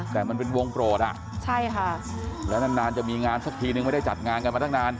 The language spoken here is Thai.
แต่มันเป็นวงโปรดอ่ะใช่ค่ะแล้วนานจะมีงานสักทีนึงไม่ได้จัดงานกันมาตั้งนาน